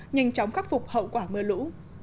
nhanh chóng khắc phục hậu quả mưa lũ